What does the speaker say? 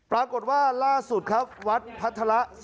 ปรากฏว่าล่าสุดครับวัดพัทราสิทธารามร์ปรากฏว่าเติมเวลาล่าสุดครับ